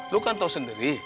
lu kan tau sendiri